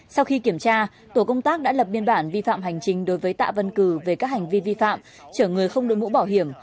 sau khi kiểm tra tổ công tác đã lập biên bản vi phạm hành trình đối với tạ văn cử về các hành vi vi phạm chở người không đội mũ bảo hiểm